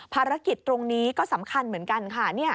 ภารกิจตรงนี้ก็สำคัญเหมือนกันค่ะ